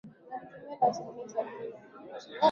Kinachotumiwa na asilimia sabini ya wananchi wote